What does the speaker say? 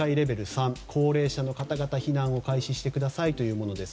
３高齢者の方々は避難を開始してくださいというものです。